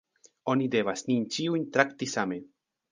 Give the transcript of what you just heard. Oni devas nin ĉiujn trakti same.